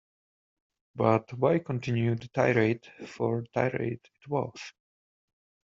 But why continue the tirade, for tirade it was.